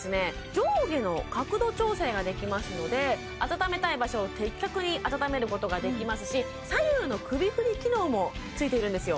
上下の角度調整ができますのであたためたい場所を的確にあたためることができますし左右の首振り機能もついているんですよ